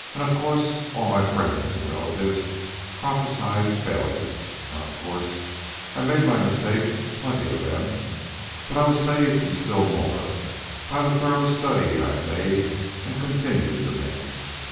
Of course, all my friends and relatives prophesied failure. And, of course, I made my mistakes, plenty of them, but I was saved from still more by the thorough study I had made and continued to make."